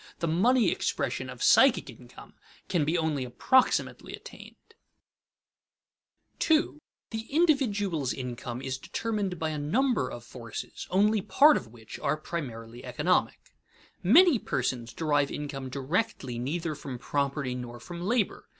The money expression of psychic income can be only approximately attained. [Sidenote: Personal affection and distribution] 2. The individual's income is determined by a number of forces, only part of which are primarily economic. Many persons derive income directly neither from property nor from labor.